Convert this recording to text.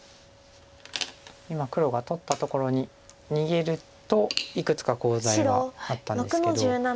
今黒が取ったところに逃げるといくつかコウ材があったんですけど。